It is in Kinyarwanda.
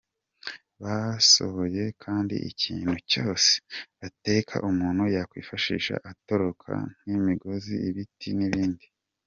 Basohoye kandi ikintu cyose bakeka umuntu yakwifashisha atoroka nk’imigozi, ibiti…n’ibindi.